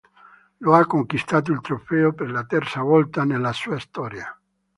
Lo ha conquistato il trofeo per la terza volta nella sua storia.